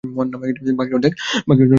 বাকি অর্ধেক ডানা সাদা বর্ণের।